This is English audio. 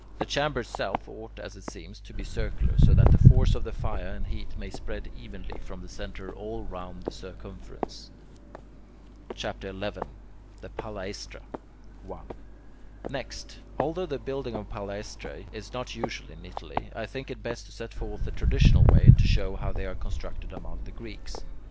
The chamber itself ought, as it seems, to be circular, so that the force of the fire and heat may spread evenly from the centre all round the circumference. CHAPTER XI THE PALAESTRA 1. Next, although the building of palaestrae is not usual in Italy, I think it best to set forth the traditional way, and to show how they are constructed among the Greeks.